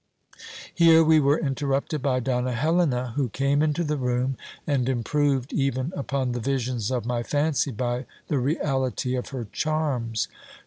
Here we were interrupted by Donna Helena, who came into the room, and improved even upon the visions of my fancy by the reality of her charms.